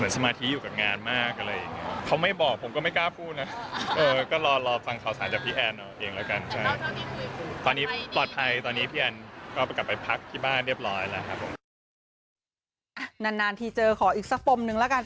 สักครั้งที่เจอขออีกสักปมหนึ่งแล้วกัน